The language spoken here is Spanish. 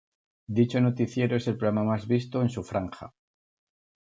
Dicho noticiero es el programa más visto en su franja.